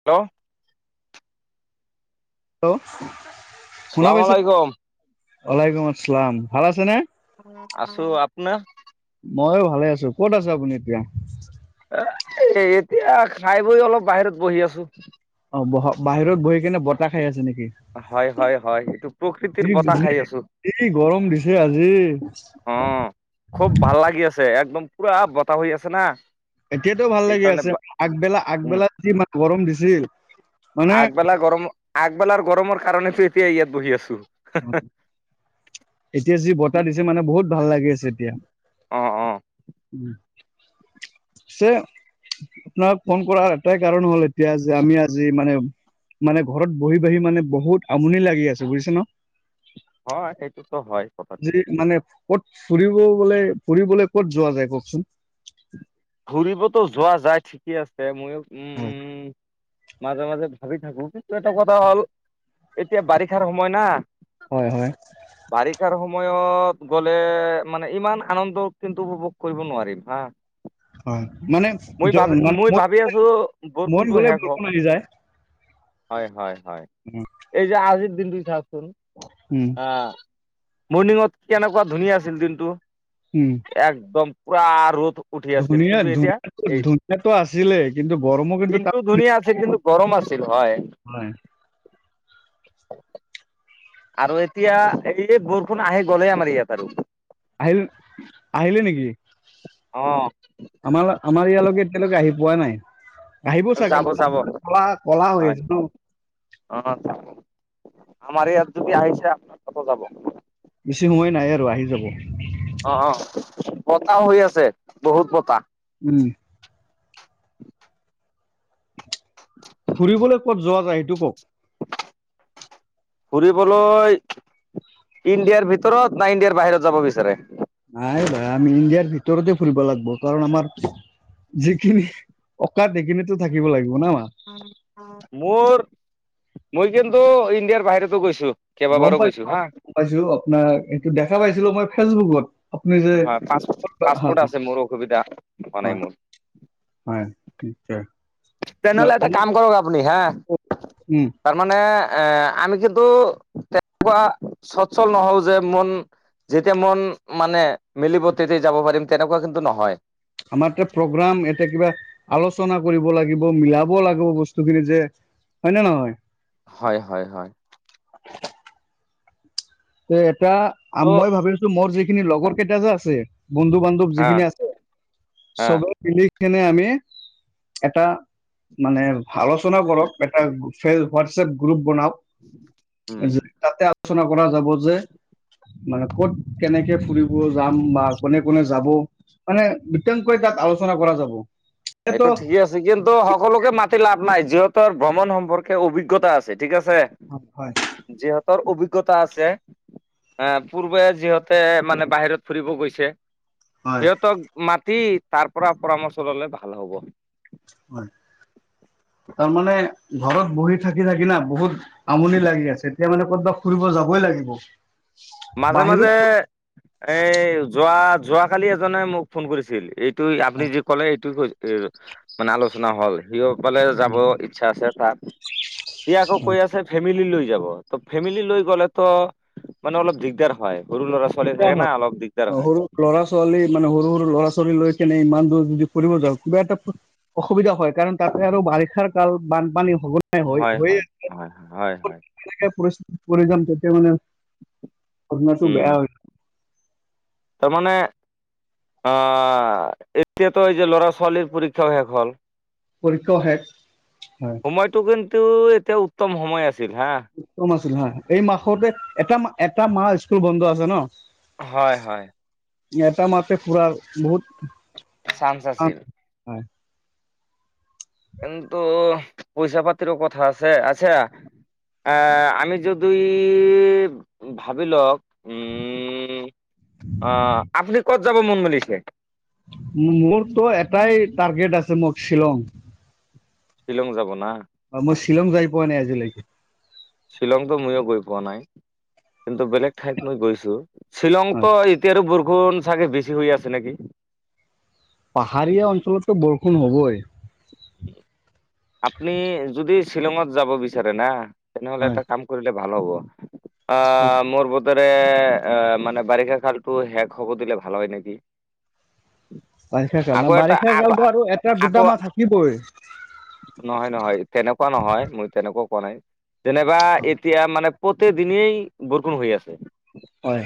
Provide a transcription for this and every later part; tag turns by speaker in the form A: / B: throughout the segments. A: Hello
B: hello শুনা
A: চালাম
B: পাইছেনে?
A: আলাইকুম
B: আলাইকুম আছলাম ভালে আছেনে?
A: আছোঁ আপোনাৰ?
B: ময়ো ভালে আছোঁ, ক'ত আছে আপুনি এতিয়া?
A: এ' এতিয়া খাই বৈ অলপ বাহিৰত বহি আছোঁ।
B: অ', -বহক, বাহিৰত বহি কেনে বতাহ খাই আছে নেকি?
A: হয়-হয়-হয়, এইটো প্ৰকৃতিৰ
B: যি
A: বতাহ খাই আছোঁ।
B: যি গৰম দিছে আজি
A: অঁ', খুব ভাল লাগি আছে একদম পুৰা বতাহ হৈ আছে না।
B: এতিয়াটো ভাল লাগি
A: সেইকাৰণে
B: আছে,
A: উম
B: আগবেলা-আগবেলাত যি ইমান গৰম দিছিল। মানে
A: আগবেলা গৰম, আগবেলাৰ গৰমৰ কাৰণেটো এতিয়া ইয়াত বহি আছোঁ।
B: এতিয়া যি বতাহ দিছে মানে বহুত ভাল লাগি আছে এতিয়া।
A: অ অ
B: [unintelligible] ছে' আপোনাক ফোন কৰাৰ এটাই কাৰণ হ'ল এতিয়া যে আমি আজি মানে- মানে ঘৰত বহি-বহি মানে বহুত আমনি লাগি আছে বুজিছে ন'।
A: অঁ', -সেইটোতো হয়। কথাটো
B: যি মানে ক'ত ফুৰিব গ'লে, ফুৰিবলে ক'ত যোৱা যায় কওকচোন?
A: ফুৰিবটো যোৱা যায় ঠিকে আছে, মইও,
B: হয়
A: উম-উম- মাজে-মাজে ভাবি থাকোঁ, কিন্তু এটা কথা হ'ল এতিয়া বাৰিষাৰ সময় না'।
B: হয়-হয়।
A: বাৰিষাৰ সময়ত গ'লে মানে ইমান আনন্দ কিন্তু উপভোগ কৰিব নোৱাৰিম হা।
B: হয়, মানে
A: মই
B: জ-
A: ভাব,
B: মানে
A: মই
B: মোৰ
A: ভাবি আছোঁ
B: মন
A: বৰষুণটো
B: গ'লে
A: শেষ হওঁক।
B: বৰষুণ আহি যায়
A: হয়-হয়-হয়। এই যে আজিৰ দিনটো চাওঁকচোন।
B: উম।
A: অঁ', মৰ্ণিংৱাক কেনেকুৱা ধুনীয়া আছিল দিনটো।
B: উম।
A: একদম পুৰা ৰ'দ। উঠি আছিল,
B: ধুনীয়া
A: কিন্তু এতিয়া
B: ধুনীয়া ধুনীয়াটো
A: এই
B: ধুনীয়াটো আছিলে কিন্তু গৰমো কিন্তু তাত
A: দিনটো ধুনীয়া আছে কিন্তু- গৰম আছিল হয়।
B: হয়।
A: আৰু এতিয়া এই বৰষুণ আহি গ'লেই আমাৰ ইয়াত আৰু।
B: আহিল, আহিলে নেকি?
A: অঁ।
B: আমাৰ-আমাৰ ইয়ালৈকে এতিয়ালৈকে আহি পোৱা নাই। আহিব চাগে,
A: যাব যাব
B: ক'লা-ক'লা হৈ আছে ন'।
A: অঁ', আমাৰ ইয়াত যদি আহিছে ক'ত নাযাব।
B: বেছি সময় নাই আৰু আহি যাব।
A: অঁ', -অঁ', বতাহ হৈ আছে বহুত বতাহ।
B: উম। ফুৰিবলৈ ক'ত যোৱা যায় এইটো কওঁক?
A: ফুৰিবলৈ- ইণ্ডিয়াৰ ভিতৰত না ইণ্ডিয়াৰ বাহিৰত যাব বিচাৰে?
B: নাই ভাই আমি ইণ্ডিয়াৰ ভিতৰতে ফুৰিব লাগিব, কাৰণ আমাৰ- যিখিনি অকাদ সেইখিনিতো থাকিব লাগিব ন।
A: মোৰ, মই কিন্তু ইণ্ডিয়াৰ বাহিৰতো গৈছো।
B: গম
A: কেইবাবাৰো গৈছো হা
B: পাইছো-গ-পাইছো, আপোনাৰ এইটো দেখা পাইছিলো মই ফেচবুকত। আপুনি যে
A: হয়,
B: হয়
A: পাছ-পাছপোৰ্ট আছে মোৰ অসুবিধা হোৱা নাই
B: হয়
A: মোৰ।
B: হয়, নিশ্চয়। না,
A: তেনেহ'লে এটা
B: উম
A: কাম কৰক আপুনি হাঁ
B: উম,
A: তাৰমানে এ-আমি কিন্তু তেনেকুৱা চচ্ছল নহল যে মন যেতিয়া মন মানে মিলিব তেতিয়াই যাব পাৰিম তেনেকুৱা কিন্তু নহয়।
B: আমাৰতে প্ৰগ্ৰাম এতে কিবা আলোচনা কৰিব লাগিব মিলাব লাগিব বস্তু খিনি যে হয়নে নহয়?
A: হয় - হয় - হয়
B: তে এটা আ
A: ত'
B: মই ভাবিছো মোৰ যিখিনি লগৰ কেইটা যে আছে বন্ধু বান টোপ
A: হা
B: যিখিনি আছে,
A: হা
B: চবে মিলি কিনে আমি এটা মানে ভা - আলোচনা কৰক এটা ফেচ - হোৱাটছএপ গ্ৰুপ বনাওক।
A: উম
B: যে তাতে আলোচনা কৰা যাব যে মানে ক'ত কেনেকে ফুৰিব যাম বা কোনে কোনে যাব? মানে বিতংকৈ তাত আলোচনা কৰা যাব। এটো
A: এইটো ঠিকেই আছ। চে কিন্তু সকলোকে মাতি লাভ নাই, যিহঁতৰ ভ্ৰমণ সম্পৰ্কে অভিজ্ঞতা আছে ঠিক আছে।
B: অ হয়
A: যিহঁতৰ অভিজ্ঞতা আছে এ পূৰ্বে যিহতে মানে বাহিৰত ফুৰিব গৈছে।
B: হয়।
A: সিহঁতক মাতি তাৰ পৰা পৰামৰ্শ ললে ভাল হ'ব।
B: হয় তাৰমানে ঘৰত বহি থাকি থাকি না বহুত আমনি লাগি আছে। এতিয়া মানে কৰ'বাত ফুৰিব যাবই লাগিব।
A: মাজে
B: বাহিৰত
A: মাজে এ যোৱা-যোৱাকালি এজনে মোক ফোন কৰিছিল এইত তুই আপুনি যি ক'লে এইটো ই এ- মানে আলোচনা হ'ল সিঁও ক'লে যাব এ আচ্ছা আছে তাক সি আকৌ কৈ আছে ফেমিলি লৈ যাব ত ফেমিলি লৈ গ'লে ত মানে অলপ দিগদাৰ হয় সৰু ল'ৰা ছোৱালী
B: দিগদাৰ
A: থাকে
B: হয়
A: না অলপ দিগদাৰ হয়।
B: সৰু ল'ৰা ছোৱালী মানে সৰু সৰু ল'ৰা ছোৱালী লৈ কেনে ইমান দূৰ যদি ফুৰিব যাওঁ কিবা এটা প অসুবিধা হয় কাৰণ তাতে আৰু বাৰিষাৰ কাল বানপানী হুল হৈ
A: হয়
B: হৈ
A: হয়
B: আছে
A: হয় হয় হয়
B: [unintelligible] পৰিস্থিতিত পৰি যাম তেতিয়া মানে ঘটনাটো
A: উম
B: বেয়া হয়
A: তাৰমানে আহ - এতিয়াতো এই যে ল'ৰা ছোৱালীৰ পৰীক্ষাও শেষ হ'ল।
B: পৰীক্ষাও শেষ, হয়
A: সময়টো কিন্তু, এতিয়া উত্তম সময় আছিল হা
B: উত্তম আছিল হয় এই মাহতে এটা মা - এটা মাহ স্কুল বন্ধ আছে ন
A: হয় হয়
B: এটা মাতে ফুৰাৰ বহুত
A: চান্স আছিল।
B: টান
A: কিন্তু পইচা পাতিৰো কথা আছে, আচ্ছা আ -আমি যদি উ -ভাবি লওক, উম অ আপুনি ক'ত যাব মন মেলিছে।
B: মোৰটো এটাই টাৰ্গেট আছে মোক শ্বিলং।
A: শ্বিলং যাব না!
B: অ মই শ্বিলং যাই পোৱা নাই আজিলৈকে
A: শ্বিলঙতো ময়ো গৈ পোৱা নাই কিন্তু বেলেগ ঠাইত মই গৈছো শ্বিলঙ
B: হয়
A: ত এতিয়া আৰু বৰষুণ চাগে বেছি হৈ আছে নেকি
B: পাহাৰীয়া অঞ্চলততো বৰষুণ হ'বই
A: উম আপনি যদি শ্বিলঙত যাব বিচাৰে না তেনেহলে
B: হয়
A: এটা কাম কৰিলে ভাল হ'ব। আহ, মোৰ বহুত বাৰে এ মানে বাৰিষা কালতটো শেষ হ'ব দিলে ভাল হয় নেকি।
B: বাৰিষা কাল না,
A: আকৌ এটা
B: বাৰিষা
A: আকৌ
B: কালতো আৰু এটা দুটা
A: আকৌ
B: মাহ থাকিবই।
A: নহয়, নহয়। তেনেকুৱা নহয় মই তেনেকুৱা কোৱা নাই। যেনেবা এতিয়া মানে প্ৰতি দিনেই বৰষুন হৈ আছে।
B: হয়।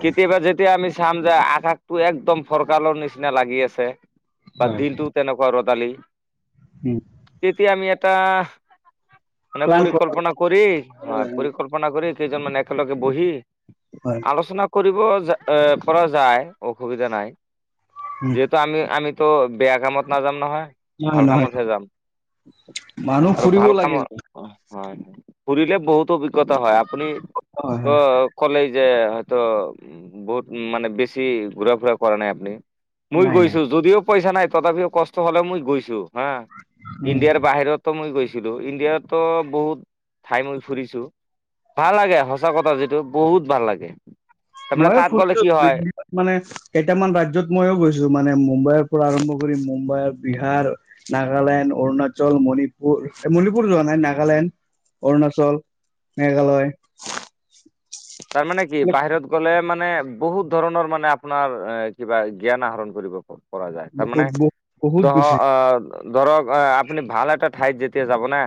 A: কেতিয়াবা যেতিয়া আমি চাম যে আকাশটো একদম ফৰকালৰ নিচিনা লাগি আছে। বা
B: হয়
A: দিনটো তেনেকুৱা ৰ'দালি।
B: উম।
A: তেতিয়া আমি এটা মানে
B: প্লান কৰা
A: পৰিকলল্পনা কৰি হয়, পৰিকল্প
B: যায়।
A: পৰিকল্পনা কৰি, কেইজনমান একেলগে বহি।
B: হয়।
A: আলোচনা কৰিব যা অহ, ৰা যায় অসুবিধা নাই। ত' আমি-আমিতো বেয়া কামত নাযাম নহয়,
B: নহয়
A: ভাল
B: নহয়
A: কামতহে যাম।
B: মানুহ
A: আৰু
B: ফুৰিব
A: ভাল
B: লাগিব
A: কামত হয়। ফুৰিলে বহুতো অভিজ্ঞতা হয়। আ আপুনি
B: হয় হয়
A: কওঁক কলেই যে হয়তো বহুত মানে বেছি ঘূৰা ফুৰা কৰা নাই আপুনি। মই
B: নাই
A: গৈছো, যদিও পইচা নাই তথাপিও হ'লেও মই গৈছো হা।
B: নাই
A: ইণ্ডিয়াৰ বাহিৰতো মই গৈছিলোঁ, ইণ্ডিয়াটো বহুত ঠাই মই ফুৰিছোঁ। ভাল লাগে সঁচা কথা যিটো বহুত ভাল লাগে, তাৰমানে
B: ময়ো
A: তাত গ'লে
B: ফুৰিলো
A: কি হয়।
B: দিল্লীত মানে কেইটামান ৰাজ্যত মইয়ো গৈছোঁ, মানে মুম্বাইৰ পৰা আৰম্ভ কৰি মুম্বাই বিহাৰ নাগালেণ্ড, অৰুণাচল, মণিপুৰ, মণিপুৰ যোৱা নাই নাগালেণ্ড অৰুণাচল। মেঘালয়।
A: তাৰমানে কি বাহিৰত গ'লে মানে বহুত ধৰণৰ মানে আপোনাৰ এ কিবা জ্ঞান আহৰণ কৰিব প পৰা যায় তাৰমানে
B: বহুত বহুত বহুত
A: ধহ
B: বেছি
A: অহ ধৰক আহ, আপুনি ভাল এটা ঠাইত যেতিয়া যাব না।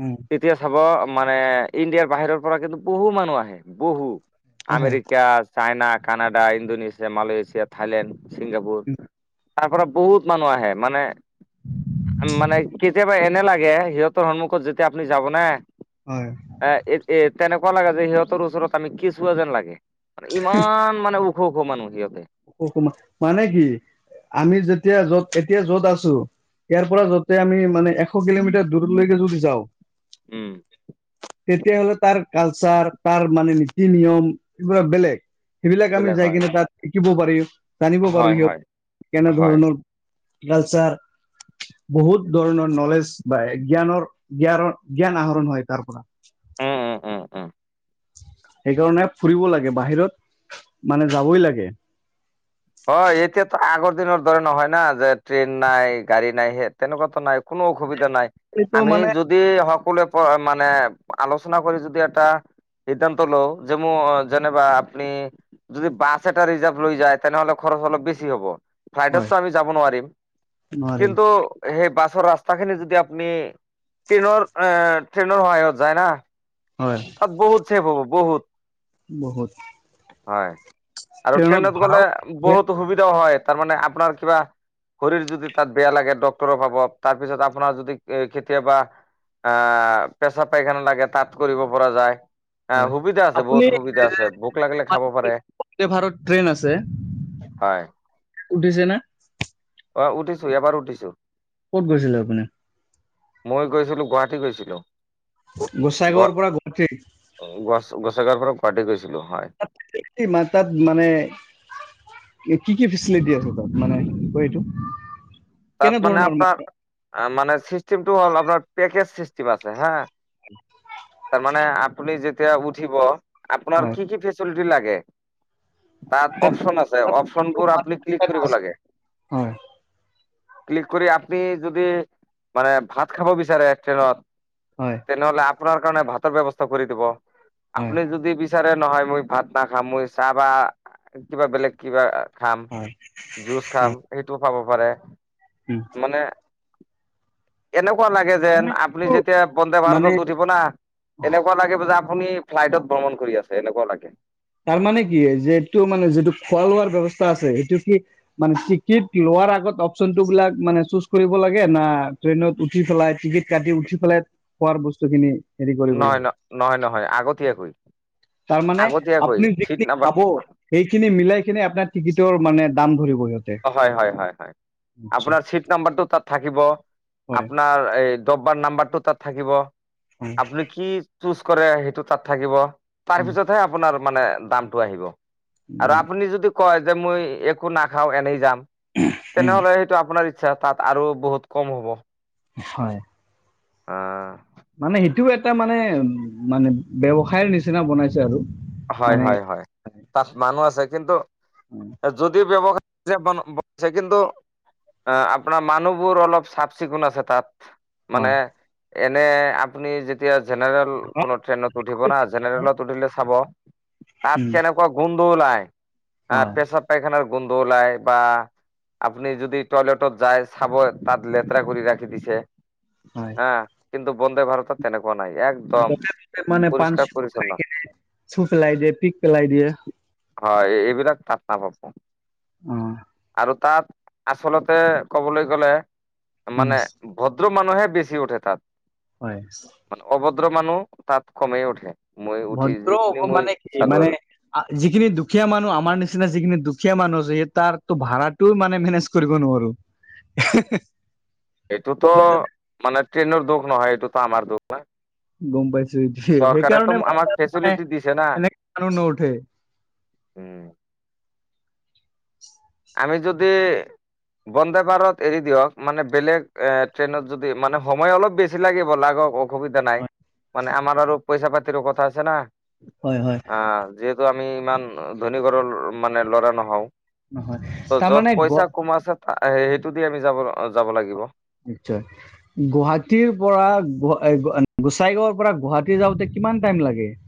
B: উম।
A: যেতিয়া চাব মানে, ইণ্ডিয়াৰ বাহিৰৰ পৰা কিন্তু বহু মানুহ আহে বহু।
B: আহে
A: America, China, Canada, Indonesia, Malaysia. Thailand, Singapore, তাৰপৰা বহুত মানুহ আহে মানে মানে কেতিয়াবা এনে লাগে, সিহঁতৰ সন্মুখত যেতিয়া আপুনি যাব ন'।
B: হয়।
A: এ-এত-এ তেনেকুৱা লাগে যে সিহঁতৰ ওচৰত আমি কেচুৱা যেন লাগে মানে ইমান মানে ও ওখ ওখ মানুহ সিহঁতে।
B: ওখ ওখ মা-মানে কি আমি যেতিয়া য'ত এতিয়া য'ত আছো। ইয়াৰ পৰা যতে আমি মানে এশ কিলোমিটাৰ দূৰলৈকে যদি যাওঁ।
A: উম।
B: তেতিয়াহ'লে তাৰ কালচাৰ, তাৰ মানে নীতি নিয়ম পুৰা বেলেগ। সেইবিলাক আমি
A: বেলেগ
B: যাই
A: হয়।
B: কিনে তাত শিকিব পাৰিম, জানিব
A: হয়
B: পাৰিম,
A: হয়
B: কেনে
A: হয়
B: ধৰণৰ কালচাৰ। বহুত ধৰণৰ নলেজ পায়, জ্ঞানৰ-জ্ঞানৰ-জ্ঞানৰ আহৰণ হয় তাৰ পৰা।
A: উম উম উম উম।
B: সেইকাৰণে ফুৰিব লাগে বাহিৰত, মানে যাবই লাগে।
A: অহ, এতিয়াতো আগৰ দিনৰ দৰে নহয় না, যে ট্ৰেইন নাই গাড়ী নাই সেই তেনেকুৱাতো নাই। কোনো অসুবিধা নাই,
B: এইটো
A: আমি
B: মানে
A: যদি যদি সকলোৱে মানে আলোচনা কৰি যদি এটা সিদ্ধান্ত লও যে ম যেনিবা আপুনি যদি বাছ এটা ৰিজাৰ্ভ লৈ যায়। তেনেহ'লে খৰচ অলপ বেছি হ'ব,
B: হয়
A: ফ্লাইটতটো আমি যাব নোৱাৰিম।
B: নোৱাৰিম
A: কিন্তু সেই বাছৰ ৰাস্তাখিনি যদি আপুনি ট্ৰেইনৰ ট্ৰেইনৰ সহায়ত যায় না।
B: হয়।
A: তাত বহুত ছেফ হব বহুত।
B: বহুত।
A: হয় আৰু ট্ৰেইনত গ'লে বহুত সুবিধাও হয়। তাৰমানে আপোনাৰ কিবা শৰীৰ যদি তাত বেয়া লাগে, ডক্তৰো পাব। তাৰ পিছত আপোনাৰ যদি এ কেতিয়াবা আহ' পেছাব-পাইখানা লাগে তাত কৰিব পৰা যায়। অ'
B: হয়
A: সুবিধা আছে
B: আপুনি
A: বহুত সুবিধা আছে। লাগিলে খাব পাৰে
B: বন্দে ভাৰত ট্ৰেইন আছে
A: হয়
B: উঠিছে না?
A: অ' উঠিছো! এবাৰ উঠিছো।
B: ক'ত গৈছিলে আপুনি?
A: মই গৈছিলো গুৱাহাটী গৈছিলো।
B: গোসাই গাঁৱৰ পৰা গুৱাহাটী।
A: গোঁসাই গাৱৰ পৰা গুৱাহাটী গৈছিলো হয়।
B: তাত এ মাতাত মানে এ কি কি ফেচিলিটি আছে তাত। মানে কি কয় এইটো?
A: তাত
B: কেনে
A: মানে
B: ধৰণৰ
A: আপোনাৰ মানে চিষ্টেমটো হ'ল আপোনাৰ পেকেজ চিষ্টেম আছে হা! তাৰমানে আপুনি যেতিয়া উঠিব আপোনাৰ
B: হয়
A: কি কি ফেচি লিটি লাগে তাত অপ'চন আছে
B: তাত
A: অপ'চনবোৰ
B: কিবা
A: আপুনি ক্লিক
B: এটা
A: কৰিব
B: আছে।
A: লাগে।
B: হয়।
A: ক্লিক কৰি আপুনি যদি মানে ভাত খাব বিচাৰে ট্ৰেইনত।
B: হয়।
A: তেনেহ'লে আপোনাৰ কাৰণে ভাতৰ ব্যৱস্থা কৰি দিব।
B: হয়
A: আপুনি যদি বিচাৰে নহয় মই ভাত নাখাও। মই চাহ বা কিবা বেলেগ কিবা খাম,
B: হয়
A: জুচ
B: হয়
A: খাম সেইটোও খাব পাৰে।
B: উম।
A: মানে এনেকুৱা লাগে যেন আপুনি যেতিয়া বন্দে
B: মানে
A: ভাৰত [unintelligible] উঠিব না'! এনেকুৱা লাগিব যে আপুনি ফ্লাইটত ভ্ৰমণ কৰি আছে এনেকুৱা লাগে।
B: তাৰমানে কি যে এইটো মানে যিটো খোৱা লোৱাৰ ব্যৱস্থা আছে সেইটো কি মানে টিকিট লোৱাৰ আগত অপ'চনটো বিলাক মানে চুজ কৰিব লাগে। না ট্ৰেইনত উঠি পেলাই টিকেট কাটি উঠি পেলাই খোৱাৰ বস্তুখিনি
A: নহয় ন-নহয় আগতীয়াকৈ
B: তাৰ মানে
A: আগতীয়া
B: আপুনি যিখিনি খাব, সেইখিনি মিলাইকিনে আপোনাৰ টিকিটৰ মানে দাম ধৰিব সিহঁতে।
A: অ' হয় হয় হয়।
B: আচ্ছা
A: আপোনাৰ চিট নাম্বাৰটো তাত থাকিব।
B: হয়
A: আপোনাৰ এই ডব্বাৰ নাম্বাৰ তাত থাকিব,
B: হয়
A: আপুনি কি চুজ কৰে সেইটো তাত থাকিব।
B: উম
A: তাৰপিছতহে আ আপোনাৰ মানে দামটো আহিব। আৰু
B: উম
A: আপুনি যদি কয় যে মই একো না খাওঁ, এনেই যাম।
B: উম
A: তেনেহ'লে সেইটো আপোনাৰ ইচ্ছা তাত আৰু বহুত কম হ'ব।
B: হয়।
A: অ'।
B: মানে সেইটোও এটা মানে, মানে ব্যৱসায়ৰ নিচিনা বনাইছে আৰু।
A: হয়
B: মানে
A: হয় হয়, তাত মানুহ আছে কিন্তু
B: উম,
A: যদি ব্যৱসায় [unintelligible] ছে কিন্তু অহ আপোনাৰ মানুহবোৰ অলপ চাফ চিকুণ আছে তাত। মানে
B: হয়
A: এনে আপুনি যেত যেতিয়া জেনেৰেল কোনো ট্ৰেইনত উঠিব না জেনেৰেলত উঠিলে চাব তাত
B: উম
A: কেনেকুৱা গোন্ধ ওলায়, আহ
B: হয়
A: পেছাপ পাইখানাৰ গোন্ধ ওলায় বা আপুনি যদি টয়লেটত যায় চাব তাত লেতেৰা কৰি ৰাখি দিছে।
B: হয়
A: হা, কিন্তু বন্দে ভাৰতত তেনেকুৱা নাই এক
B: যতে ততে মানে পান চেকৰ খায় কেনে থু পেলাই দিয়ে পিক পেলাই দিয়ে।
A: হয় এইবিলাক তাত নাপাব,
B: অ
A: আৰু তাত আচলতে ক'বলৈ গ'লে,
B: উম
A: মানে ভদ্ৰ মানুহে বেচি উঠে তাত।
B: হয়।
A: অভদ্ৰ মানুহ তাত কমেই উঠে। মই উঠি
B: ভদ্ৰ
A: যিখিনি
B: হব
A: মই
B: মানে কি
A: চালো
B: মানে
A: আৰু
B: যিখিনি দুখীয়া মানুহ আমাৰ নিচিনা যিখিনি দুখীয়া মানুহ আছে, সি তাৰটো ভাড়াত টো মানে মেনেজ কৰিব নোৱাৰো।
A: এইটোতো
B: গম পাইছো
A: মানে ট্ৰেইনৰ দুখ নহয়, এইটোতো আমাৰ দুখ না।
B: গম পাইছো সেইটোৱে
A: চৰকাৰে
B: সেইকাৰণে
A: তোম আমাক
B: মানে
A: ফেচিলিটি দিছে না।
B: এনেকে মানুহ নুঠে
A: উম।
B: [unintelligible]
A: আমি যদি বন্দে ভাৰত এৰি দিয়ক মানে বেলেগ এ ট্ৰেইনত যদি মানে সময় অলপ বেছি লাগিব লাগক অসুবিধা নাই,
B: হয়
A: মানে আমাৰ আৰু পইচা পাতিৰো কথা আছে না।
B: হয় হয়।
A: আহ যিহেতু আমি ইমান ধনী ঘৰৰ মানে লৰা নহও।
B: নহয়।
A: ত যত
B: তাৰমানে গ
A: পইচা কম আছে সেইটো দি আমি যাব যাব লাগিব।
B: নিশ্চয়। গুৱাহাটীৰ পৰা গোচাইগাঁৱৰ পৰা গুৱাহাটী যাওঁতে কিমান টাইম লাগে? [inaudible]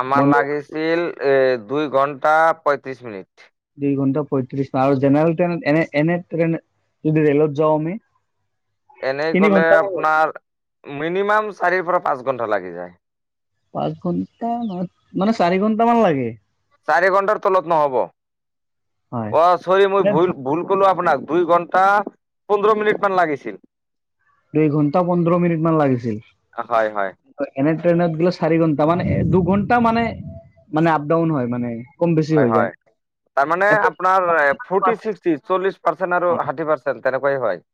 A: আমাৰ
B: বন্দে
A: লাগিছিল এ দুই ঘন্টা পয়ত্ৰিশ মিনিট।
B: দুই ঘণ্টা পয়ত্ৰিশ, আৰু জেনেৰেল ট্ৰেইনত এনে এনে ট্ৰেইনে যদি ৰেলত যাওঁ আমি?
A: এনেই
B: তিনি
A: গলে
B: ঘন্টামান লাগে
A: আপোনাৰ মিনিমাম চাৰিৰ পৰা পাঁচ ঘণ্টা লাগি যায়।
B: পাঁচ ঘন্টা নহয় মানে চাৰি ঘন্টা মান লাগে।
A: চাৰি ঘন্টাৰ তলত নহব,
B: হয়
A: অহ চৰি মই
B: মানে
A: ভুল
B: দু-
A: ভুল কলো আপোনাক, দুই ঘণ্টা পোন্ধৰ মিনিট মান লাগিছিল।
B: দুই ঘন্টা পোন্ধৰ মিনিট মান লাগিছিল!
A: হয় হয়
B: এনে ট্ৰেইনত গলে চাৰি ঘণ্টা মান, দুঘণ্টা মানে মানে আপ ডাউন হয় মানে। কম বেছি
A: হয়
B: হৈ যায়
A: হয়, তাৰমানে
B: এ
A: আপোনাৰ ফৰ্টি ছিক্টি চল্লিশ পাৰ্চেন্ট আৰু ষাঠি পাৰ্চেন্ট পাৰ্চেন তেনেকৈ হয়।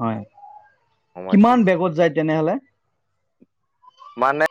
B: হয়,
A: সময়টো
B: কিমান বেগত যায় তেনেহলে?
A: মানে